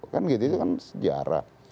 kan gitu kan sejarah